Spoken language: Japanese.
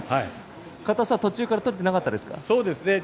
硬さ、途中から取れてなかったですか？